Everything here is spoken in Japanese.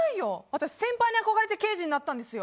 私先輩に憧れて刑事になったんですよ。